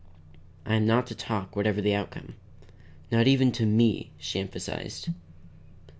"I am not to talk whatever the outcome." "Not even to me," she emphasized.